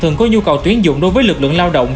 nhu cầu tuyến dụng đối với lực lượng lao động